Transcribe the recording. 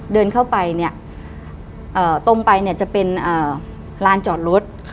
เดินเข้าไปเนี่ยตรงไปเนี่ยจะเป็นลานจอดรถ